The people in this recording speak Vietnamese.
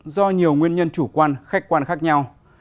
do nhiều nguyên nhân chủ quan khách quan khác nhau